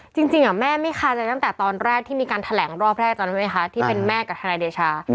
จริงแม่ไม่คาใจตั้งแต่ตอนแรกที่มีการแถลงรอบแรกตอนนั้นไหมคะที่เป็นแม่กับทนายเดชา